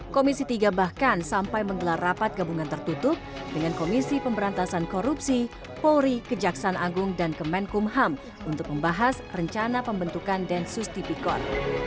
komisi tiga bahkan sampai menggelar rapat gabungan tertutup dengan komisi pemberantasan korupsi polri kejaksaan agung dan kemenkumham untuk membahas rencana pembentukan densus tipikor